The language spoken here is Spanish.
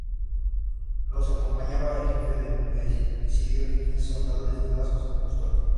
Los acompañaba el jefe del presidio y quince soldados destinados a su custodia.